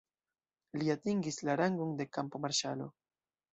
Li atingis la rangon de kampo-marŝalo.